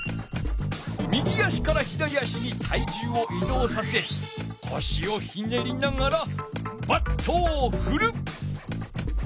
右足から左足に体重を移動させこしをひねりながらバットをふる！